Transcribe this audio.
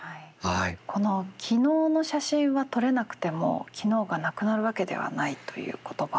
この「昨日の写真は撮れなくても昨日がなくなるわけではない」という言葉